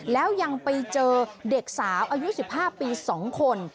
แล้วยังไปเจอเด็กสาวอายุ๑๕ปี๒คน